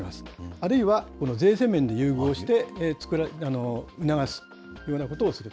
あるいはこの税制面で優遇をして、促すというようなことをする。